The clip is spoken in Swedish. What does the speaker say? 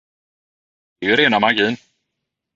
Det är ju rena magin!